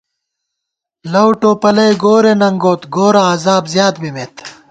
لؤ ٹوپَلئی گورے ننگوت، گورہ عذاب زیات بِمېت